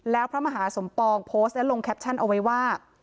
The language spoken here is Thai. แล้วพระมหาสมปองโพสต์และลงแคปชั่นเอาไว้ว่า